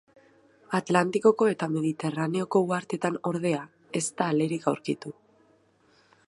Atlantikoko eta Mediterraneoko uharteetan, ordea, ez da alerik aurkitu.